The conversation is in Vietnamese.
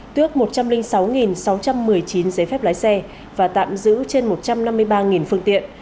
tước một trăm linh sáu sáu trăm một mươi chín giấy phép lái xe và tạm giữ trên một trăm năm mươi ba phương tiện